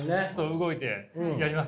動いてやります？